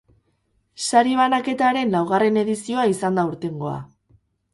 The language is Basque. Sari banaketaren laugarren edizioa izan da aurtengoa.